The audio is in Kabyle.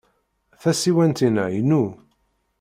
Tasiwant-inna inu.